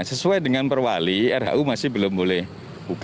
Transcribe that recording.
sesuai dengan perwali ruu masih belum boleh buka